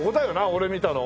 俺が見たの。